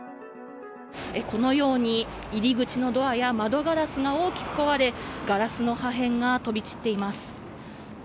このように入り口のドアや窓ガラスが大きく壊れ、ガラスの破片が飛び散っています。